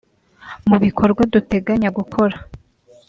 Mu bikorwa duteganya gukora